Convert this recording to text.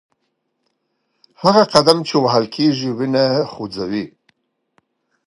هغه قدم چې وهل کېږي وینه خوځوي.